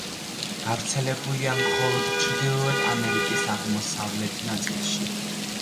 გავრცელებულია მხოლოდ ჩრდილოეთ ამერიკის აღმოსავლეთ ნაწილში.